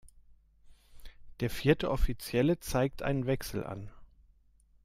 Der vierte Offizielle zeigt einen Wechsel an.